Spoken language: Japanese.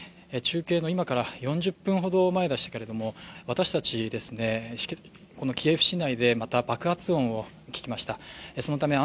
中継の今から４０分ほど前でしたけれども、私たち、このキエフ市内でまた爆発音を聞きました。